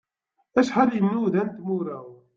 Acḥal i nnuda n tmura!